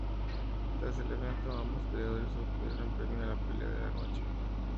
Tras el evento, ambos peleadores obtuvieron el premio a la "Pelea de la Noche".